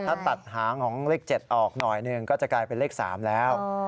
ถ้าตัดหางของเลข๗ออกหน่อยหนึ่งก็จะกลายเป็นเลข๓แล้ว